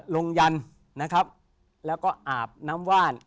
ยันนะครับแล้วก็อาบน้ำว่าน